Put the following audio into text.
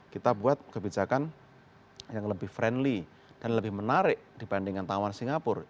kita buat kebijakan yang lebih friendly dan lebih menarik dibandingkan tawar singapura